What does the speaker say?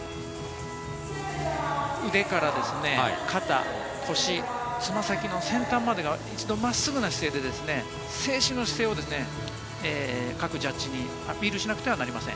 腕から肩、腰、つま先の先端までが一度真っすぐな姿勢で静止の姿勢を各ジャッジにアピールしなくてはいけません。